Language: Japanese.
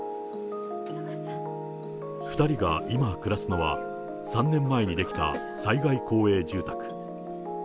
２人が今暮らすのは、３年前に出来た災害公営住宅。